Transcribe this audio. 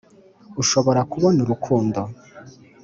urashobora kubona urukundo